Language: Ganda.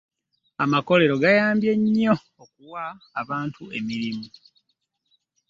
Amakolero gayambye nnyo okuwa abantu emirimu.